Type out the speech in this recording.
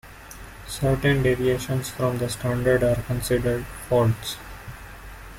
Certain deviations from the standard are considered "faults".